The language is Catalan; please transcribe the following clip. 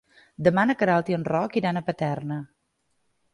Demà na Queralt i en Roc iran a Paterna.